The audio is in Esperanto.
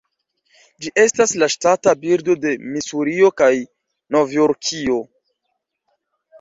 Ĝi estas la ŝtata birdo de Misurio kaj Novjorkio.